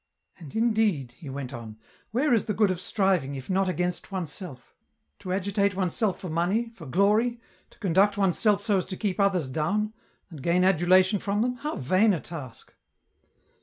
"And, indeed," he went on, "where is the good of striving, if not against oneself? to agitate oneself for money for glory, to conduct oneself so as to keep others down, and gain adulation from them, how vain a task